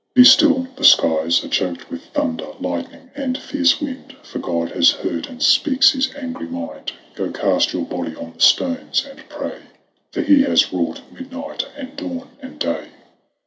S. Patric. Be still : the skies Are choked with thunder, lightning, and fierce wind, For God has heard, and speaks His angry mind ; Go cast your body on the stones and pray, For He has wrought midnight and dawn and day.